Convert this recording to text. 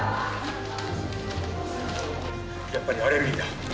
「やっぱりアレルギーだ。